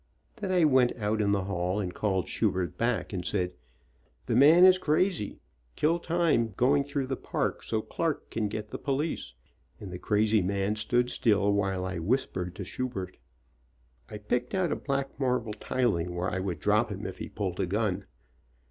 Then I went out in the hall and called Schubert back and said, "The man is crazy. Kill time going through the park so Clark can get the police," and the crazy man stood still while I whis pered to Schubert. I picked out a black marble tiling where I would drop him if he pulled a gun.